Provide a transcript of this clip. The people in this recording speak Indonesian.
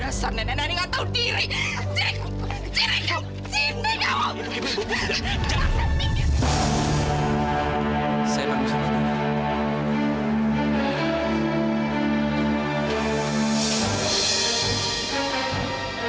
rasar nenek nenek gak tahu diri